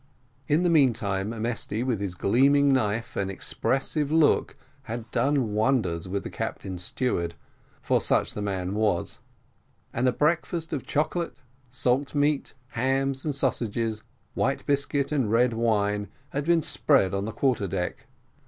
In the meantime Mesty, with his gleaming knife and expressive look, had done wonders with the captain's steward, for such the man was: and a breakfast of chocolate, salt meat, hams and sausages, white biscuit and red wine, had been spread on the quarter deck.